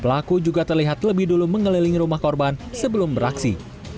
pelaku juga terlihat lebih dulu mengelilingi rumah korban sebelum beraksi